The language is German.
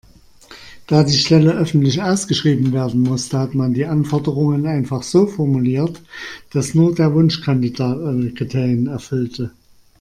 Da die Stelle öffentlich ausgeschrieben werden musste, hat man die Anforderungen einfach so formuliert, dass nur der Wunschkandidat alle Kriterien erfüllte.